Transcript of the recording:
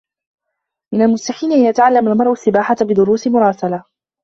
من المستحيل أن يتعلّم المرأ السّباحة بدروس مراسلة.